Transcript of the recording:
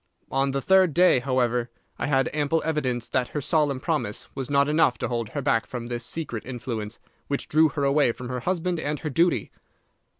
On the third day, however, I had ample evidence that her solemn promise was not enough to hold her back from this secret influence which drew her away from her husband and her duty.